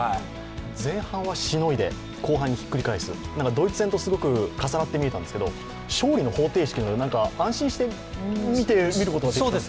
前半はしのいで後半にひっくり返す、ドイツ戦とすごく重なって見えたんですけれども、勝利の方程式のような、安心して見ていることができました。